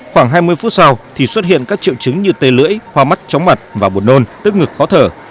khoảng hai mươi phút sau thì xuất hiện các triệu chứng như tê lưỡi hoa mắt chóng mặt và bột nôn tức ngực khó thở